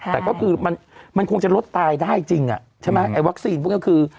แต่ก็คือมันคงจะลดตายได้จริงใช่ไหมไอ้วัคซีนพวกนี้คือ